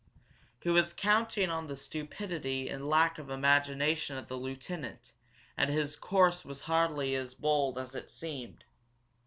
He was counting on the stupidity and lack of imagination of the lieutenant, and his course was hardly as bold as it seemed.